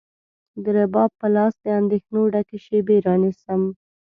رباب په لاس، د اندېښنو ډکې شیبې رانیسم